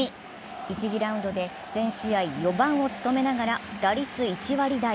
１次ラウンドで全試合４番を務めながら打率１割台。